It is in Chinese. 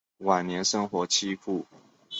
晚年生活凄苦。